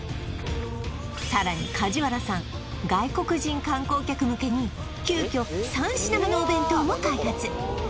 さらに梶原さん外国人観光客向けに急きょ３品目のお弁当も開発